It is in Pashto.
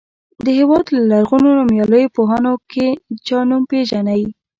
د هېواد له لرغونو نومیالیو پوهانو کې چا نوم پیژنئ.